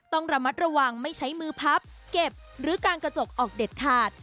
ต้องระมัดระวังไม่ใช้มือพับเก็บหรือกางกระจกออกเด็ดขาด